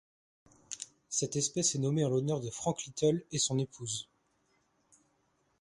Cette espèce est nommée en l'honneur de Frank Little et son épouse.